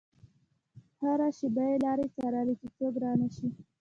هره شېبه يې لارې څارلې چې څوک رانشي.